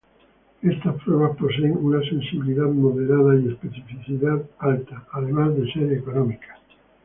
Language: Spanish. Estas pruebas poseen una sensibilidad moderada y especificidad alta, además de ser económicas.